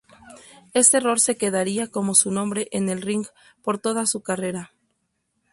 Este error se quedaría como su nombre en el ring por toda su carrera.